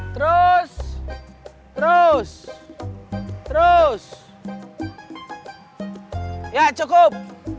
terus terus ya cukup